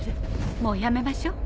もうやめましょ。